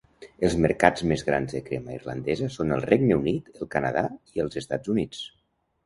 Els mercats més grans de crema irlandesa són el Regne Unit, el Canadà i els Estats Units.